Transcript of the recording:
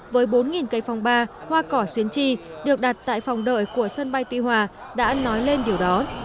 với bốn cây phòng ba hoa cỏ xuyến chi được đặt tại phòng đợi của sân bay tuy hòa đã nói lên điều đó